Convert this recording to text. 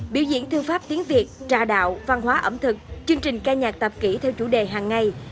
biểu diễn thương pháp tiếng việt trà đạo văn hóa ẩm thực chương trình ca nhạc tạp kỹ theo chủ đề hàng ngày